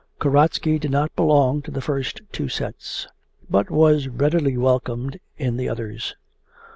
Kasatsky did not belong to the first two sets, but was readily welcomed in the others.